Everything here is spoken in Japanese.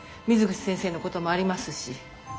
水口先生のこともありますし。